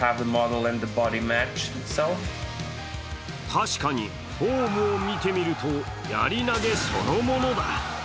確かにフォームを見てみるとやり投げそのものだ。